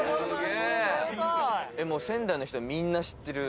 仙台の人、みんな知ってる？